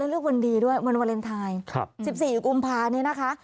และเรื่องวันดีด้วยวันเวอร์เรนไทน์๑๔อยู่กุมภาคมนี้นะคะ